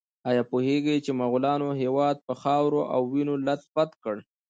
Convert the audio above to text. ایا پوهیږئ مغولانو هېواد په خاورو او وینو لیت پیت کړ؟